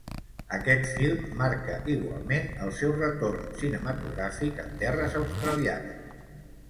Aquest film marca igualment el seu retorn cinematogràfic en terres australianes.